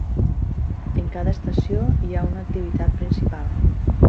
En cada estació hi ha una activitat principal.